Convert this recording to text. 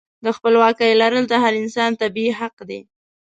د خپلواکۍ لرل د هر انسان طبیعي حق دی.